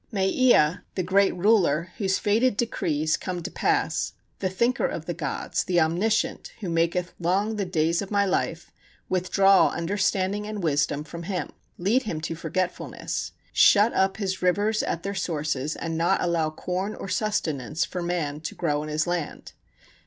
May Ea, the great ruler, whose fated decrees come to pass, the thinker of the gods, the omniscient, who maketh long the days of my life, withdraw understanding and wisdom from him, lead him to forgetfulness, shut up his rivers at their sources, and not allow corn or sustenance for man to grow in his land.